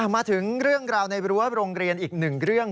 มาถึงเรื่องราวในรั้วโรงเรียนอีกหนึ่งเรื่อง